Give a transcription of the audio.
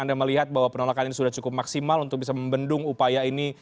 anda melihat bahwa penolakan ini sudah cukup maksimal untuk bisa membendung upaya ini